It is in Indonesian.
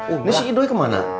ini si doi kemana